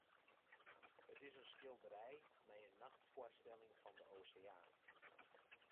It is in skilderij mei in nachtfoarstelling fan de oseaan.